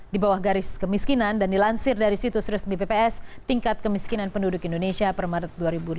di bawah garis kemiskinan dan dilansir dari situs resmi bpps tingkat kemiskinan penduduk indonesia per maret dua ribu dua puluh